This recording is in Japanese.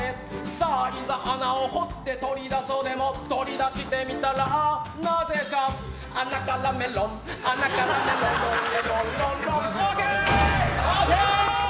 さあ、いざ穴掘って取り出そうでも取り出してみたらなぜか穴からメロンメロンロンロンＯＫ！